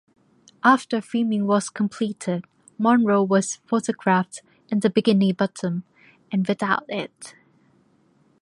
After filming was completed, Monroe was photographed in the bikini bottom, and without it.